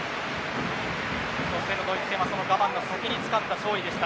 初戦のドイツ戦はその我慢の先につかんだ勝利でした。